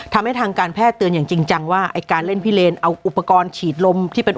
ทำให้ทางการแพทย์เตือนจริงจังว่าการเล่นพิเลนเอาอุปกรณ์ฉีดลม